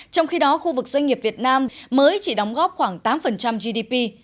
trong khi đó khu vực doanh nghiệp việt nam mới chỉ đóng góp khoảng tám gdp